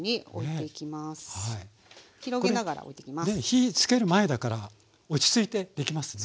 火つける前だから落ち着いてできますね。